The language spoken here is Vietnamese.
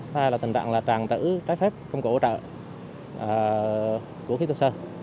hay là tình trạng tràn trữ trái phép công cụ hỗ trợ của khí tuyệt sơ